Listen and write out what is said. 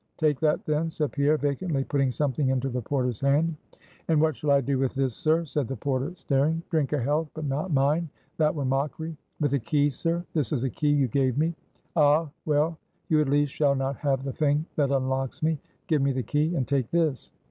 take that then," said Pierre, vacantly putting something into the porter's hand. "And what shall I do with this, sir?" said the porter, staring. "Drink a health; but not mine; that were mockery!" "With a key, sir? This is a key you gave me." "Ah! well, you at least shall not have the thing that unlocks me. Give me the key, and take this."